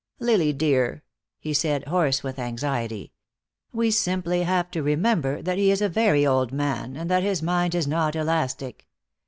"Lily, dear," he said, hoarse with anxiety, "we simply have to remember that he is a very old man, and that his mind is not elastic.